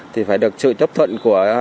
thì phải được sự chấp thuận của